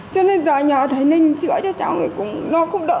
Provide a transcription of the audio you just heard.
cho nên giờ nhà thầy ninh chữa cho cháu người cũng lo không đỡ